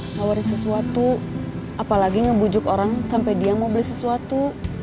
nawarin sesuatu apalagi ngebujuk orang sampai dia mau beli sesuatu